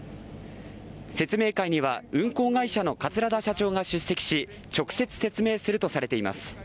説明会には運航会社の桂田社長が出席し直接説明するとされています。